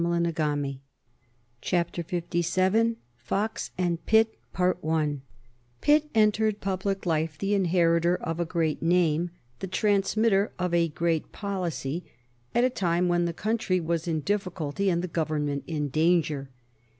[Sidenote: 1781 Fall of the Lord North Administration] Pitt entered public life the inheritor of a great name, the transmitter of a great policy, at a time when the country was in difficulty and the Government in danger.